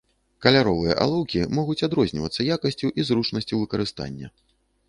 Каляровыя алоўкі могуць адрознівацца якасцю і зручнасцю выкарыстання.